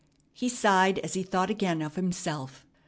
He sighed as he thought again of himself.